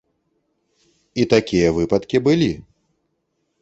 І такія выпадкі былі.